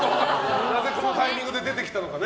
なぜこのタイミングで出てきたのかね。